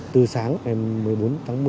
từ sáng một mươi bốn tháng một mươi